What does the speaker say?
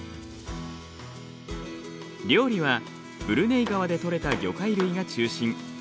料理はブルネイ川で取れた魚介類が中心。